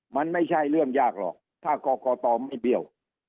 มันไม่ใช่เรื่องยากหรอกถ้ากรกตไม่เบี้ยว